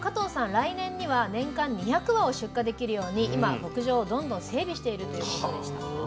来年には年間２００羽を出荷できるように今牧場をどんどん整備しているということでした。